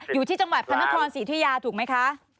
อยู่ที่จังหวัดพระนครศรีธุยาถูกไหมคะ